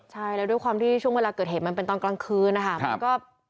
ใช่แล้วด้วยความที่ช่วงเวลาเกิดเหตุมันเป็นตอนกลางคืนนะคะ